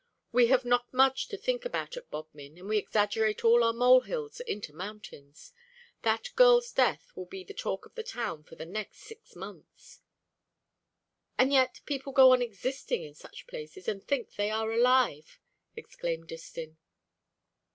We have not much to think about at Bodmin, and we exaggerate all our molehills into mountains. That girl's death will be the talk of the town for the next six months." "And yet people go on existing in such places, and think they are alive!" exclaimed Distin.